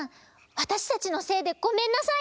わたしたちのせいでごめんなさい！